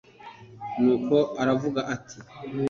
nuko aravuga, ati